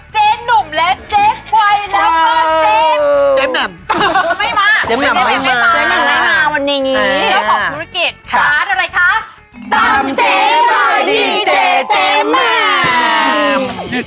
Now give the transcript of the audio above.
ตำเจ๊ม่อยที่เจเจมา